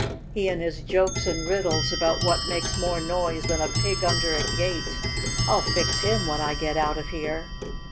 He and his jokes and riddles about what makes more noise than a pig under a gate! I'll fix him when I get out of here!"